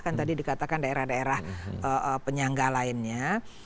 kan tadi dikatakan daerah daerah penyangga lainnya